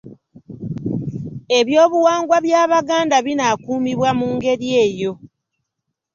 Ebyobuwangwa by’Abaganda binaakuumibwa mu ngeri eyo.